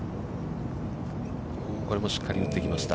これもしっかり打ってきました。